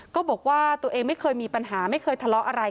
ก็บอกว่าตัวเองไม่เคยมีปัญหาไม่เคยทะเลาะอะไร